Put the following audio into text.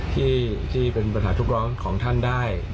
ที่เป็นปัญหาทุกร้อนของท่านได้